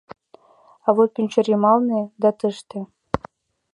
А вот Пӱнчерйымалне да тыште...